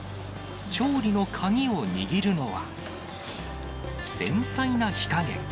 調理の鍵を握るのは、繊細な火加減。